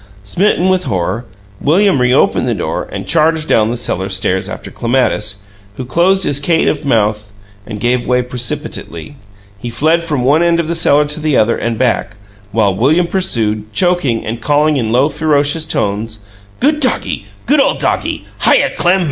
Smitten with horror, William reopened the door and charged down the cellar stairs after Clematis, who closed his caitiff mouth and gave way precipitately. He fled from one end of the cellar to the other and back, while William pursued; choking, and calling in low, ferocious tones: "Good doggie! Good ole doggie! Hyuh, Clem!